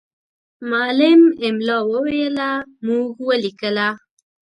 معلم املا وویله، موږ ولیکله.